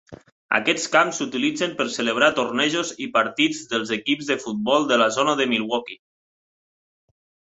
Aquests camps s'utilitzen per celebrar tornejos i partits dels equips de futbol de la zona de Milwaukee.